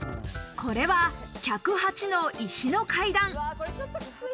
これは百八の石の階段。